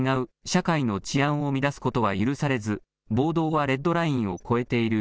社会の治安を乱すことは許されず暴動はレッドラインを越えている。